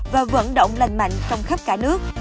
và vận động lành mạnh trong khắp cả nước